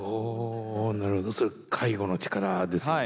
なるほどそれが介護の力ですね。